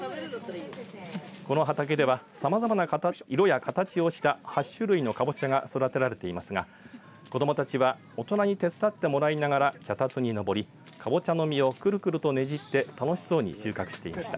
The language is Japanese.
この畑ではさまざまな色や形をした８種類のカボチャが育てられていますが子どもたちは大人に手伝ってもらいながら脚立に登りカボチャの実をくるくるとねじって楽しそうに収穫していました。